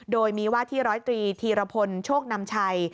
โดยมีว่าที่ร้อยตรีธีรพลโชคนำชัย